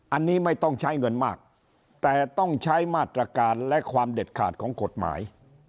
อันนี้ไม่ต้องใช้เงินมากแต่ต้องใช้มาตรการและความเด็ดขาดของกฎหมาย